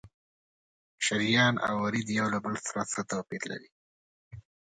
شریان او ورید یو له بل سره څه توپیر لري؟